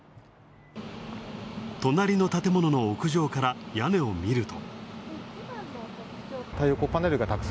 隣の建物の屋上から屋根を見ると。